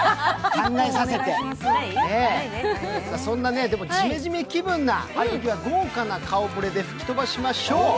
そんなジメジメ気分は豪華な顔ぶれで吹き飛ばしましょう。